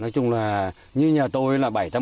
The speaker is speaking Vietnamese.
nói chung là như nhà tôi là